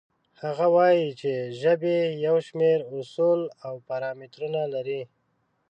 هغه وایي چې ژبې یو شمېر اصول او پارامترونه لري.